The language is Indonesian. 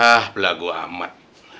hah pelaku amat